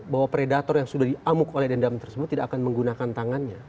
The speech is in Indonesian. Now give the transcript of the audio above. bahwa predator yang sudah diamuk oleh dendam tersebut tidak akan menggunakan tangannya